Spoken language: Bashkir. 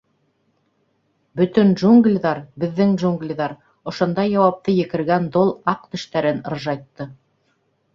— Бөтөн джунглиҙар — беҙҙең джунглиҙар, — ошондай яуапты екергән дол аҡ тештәрен ыржайтты.